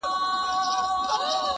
د کلي حوري په ټول کلي کي لمبې جوړي کړې-